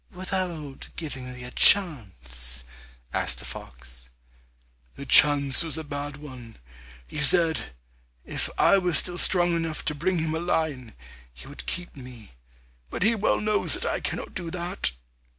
"Without giving thee a chance?" asked the fox. "The chance was a bad one. He said, if I were still strong enough to bring him a lion, he would keep me, but he well knows that I cannot do that."